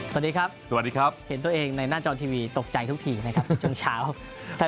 สวัสดีครับสวัสดีครับเห็นตัวเองในหน้าจอทีวีตกใจทุกทีนะครับทุกเช้า